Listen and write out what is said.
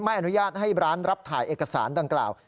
อนุญาตให้ร้านรับถ่ายเอกสารดังกล่าว